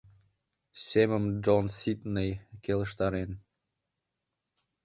Семым Джонс Сидней келыштарен.